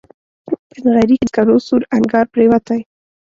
په نغري کې د سکرو سور انګار پرېوتی